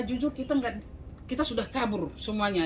jujur kita sudah kabur semuanya